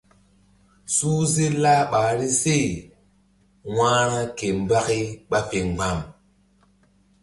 Suhze lah ɓahri se wa̧hra ke mbaki ɓa fe mgba̧m.